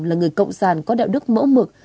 là người cộng sản có đạo đức mẫu mực